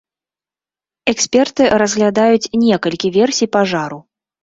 Эксперты разглядаюць некалькі версій пажару.